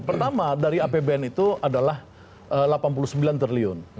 pertama dari apbn itu adalah rp delapan puluh sembilan triliun